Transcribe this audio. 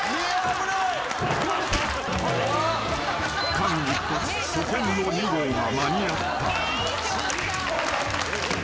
［間一髪保険の２号が間に合った］